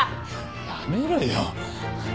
やめろよ。